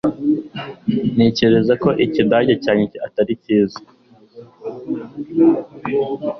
ntekereza ko ikidage cyanjye atari cyiza